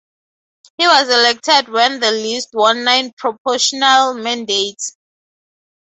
He was elected when the list won nine proportional mandates.